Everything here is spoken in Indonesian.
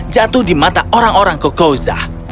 jatuh di mata orang orang kokozah